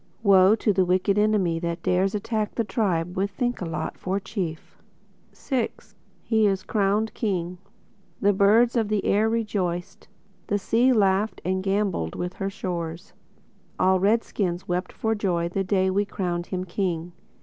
Woe to the wicked enemy That dares attack The tribe with Thinkalot for Chief! VI (He Is Crowned King) The birds of the air rejoiced; The Sea laughed and gambolled with her shores; All Red skins wept for joy The day we crowned him King.